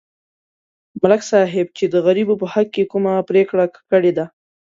ملک صاحب چې د غریبو په حق کې کومه پرېکړه کړې ده